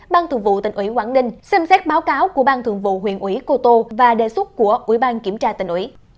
ban thường vụ tỉnh ủy quảng ninh xem xét báo cáo của ban thường vụ huyện ủy cô tô và đề xuất của ủy ban kiểm tra tỉnh ủy